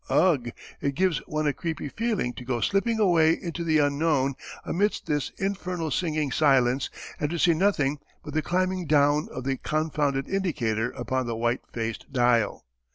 Ugh! it gives one a creepy feeling to go slipping away into the unknown amidst this infernal singing silence and to see nothing but the climbing down of the confounded indicator upon the white faced dial....